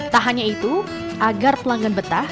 tak hanya itu agar pelanggan betah